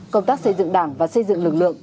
công tác xây dựng đảng và xây dựng lực lượng